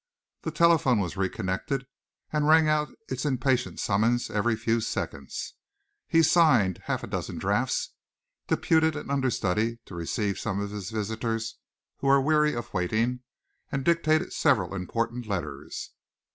The telephone was reconnected, and rang out its impatient summons every few seconds. He signed half a dozen drafts, deputed an understudy to receive some of his visitors who were weary of waiting, and dictated several important letters.